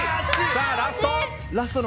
さあ、ラスト！